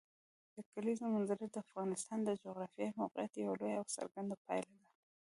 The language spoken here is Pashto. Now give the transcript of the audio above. د کلیزو منظره د افغانستان د جغرافیایي موقیعت یوه لویه او څرګنده پایله ده.